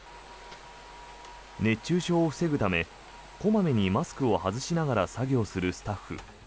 熱中症を防ぐため小まめにマスクを外しながら作業するスタッフ。